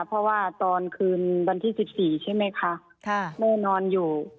เพราะว่าตอนคืนวันที่๑๔ใช่ไหมคะแม่นอนอยู่